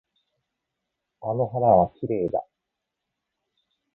あの花はきれいだ。